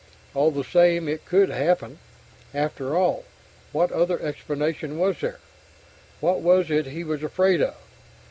All the same, it could happen. After all, what other explanation was there? What was it he was afraid of?